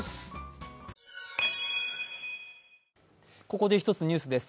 ここで一つニュースです。